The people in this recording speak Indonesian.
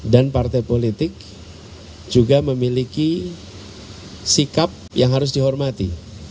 dan partai politik juga memiliki sikap yang harus dihormati